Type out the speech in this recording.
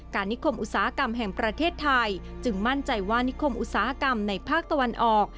นิคมอุตสาหกรรมแห่งประเทศไทยจึงมั่นใจว่านิคมอุตสาหกรรมในภาคตะวันออก